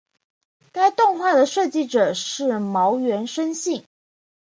该动画的设计者是茅原伸幸。